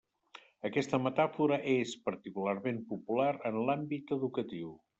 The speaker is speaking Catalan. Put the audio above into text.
Aquesta metàfora és particularment popular en l'àmbit educatiu.